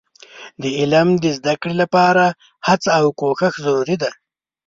د علم د زده کړې لپاره هڅه او کوښښ ضروري دي.